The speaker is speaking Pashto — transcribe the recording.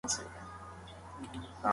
د وټس-اپ پاڼه د ده په مخ کې پرانستل شوې وه.